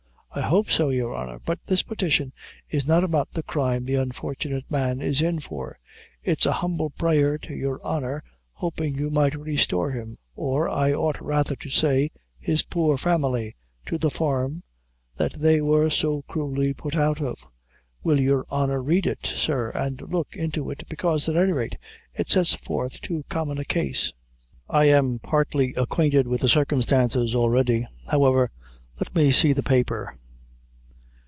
"I hope so, your honor; but this petition is not about the crime the unfortunate man is in for; it's an humble prayer to your honor, hopin' you might restore him or, I ought rather to say, his poor family, to the farm that they wor so cruelly put out of. Will your honor read it, sir, and look into it, bekaise, at any rate, it sets forth too common a case." "I am partly acquainted with the circumstances, already; however, let me see the paper."